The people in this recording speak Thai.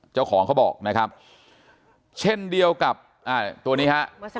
เจ้าของเขาบอกนะครับเช่นเดียวกับตัวนี้ฮะ